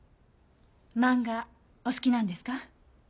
漫画お好きなんですか？